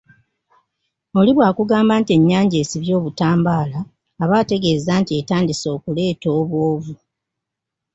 Oli bw'akugamba nti ennyanja esibye obutambaala aba ategeeza nti etandise okuleeta obwovu